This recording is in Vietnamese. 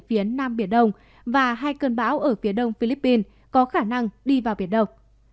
phía nam biển đông và hai cơn bão ở phía đông philippines có khả năng đi vào biển đông